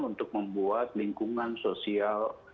untuk membuat lingkungan sosial